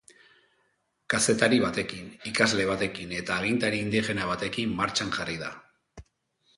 Kazetari batekin, ikasle batekin eta agintari indigena batekin martxan jarri da.